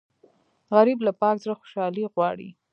غریب له پاک زړه خوشالي غواړي